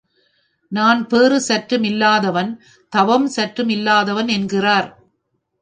நான் பேறு சற்றும் இல்லாதவன் தவம் சற்றும் இல்லாதவன் என்கிறார்.